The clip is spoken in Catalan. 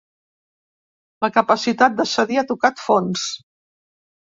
La capacitat de cedir ha tocat fons.